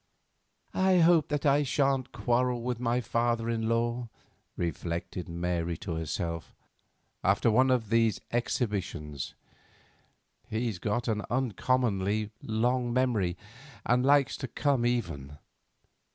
"I hope that I shan't quarrel with my father in law," reflected Mary to herself, after one of the best of these exhibitions; "he's got an uncommonly long memory, and likes to come even.